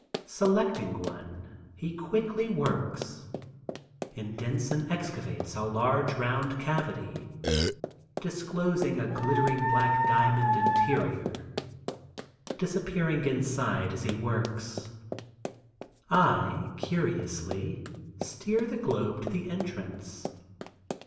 Selecting one he quickly works. Indents and excavates a large round cavity, disclosing a glittering black diamond interior, disappearing inside as he works. I, curiously steer the globe to the entrance.